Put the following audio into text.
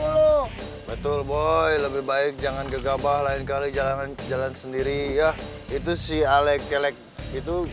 lu betul boy lebih baik jangan gegabah lain kali jalan jalan sendiri ya itu sih alec kelek itu